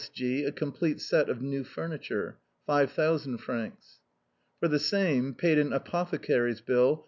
S. G a complete set of new furniture. 5000 fr. " For the same, paid an apothecary's bill.